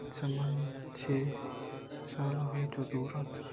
چمن چہ شال ءَ چنچو دور اِنت؟